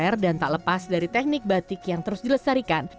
r dan tak lepas dari teknik batik yang terus dilestarikan